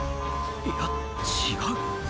いや違う！